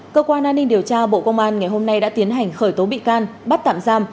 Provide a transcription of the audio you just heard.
cơ quan an ninh điều tra bộ công an ngày hôm nay đã tiến hành khởi tố bị can bắt tạm giam